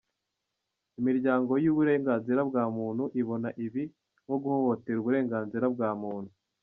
Imiryango y’uburenganzira bwa muntu ibona ibi nko guhohotera uburenganzira bwa muntu.